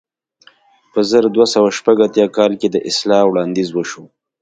په زر دوه سوه شپږ اتیا کال کې د اصلاح وړاندیز وشو.